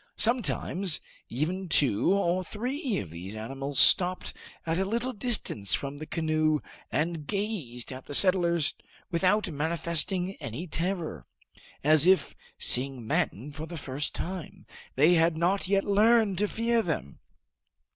Sometimes even two or three of these animals stopped at a little distance from the canoe and gazed at the settlers without manifesting any terror, as if, seeing men for the first time, they had not yet learned to fear them.